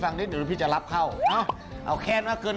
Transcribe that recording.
วันนี้ก็คือมารับผ่วนปาดเป็นเด็กเติร์ด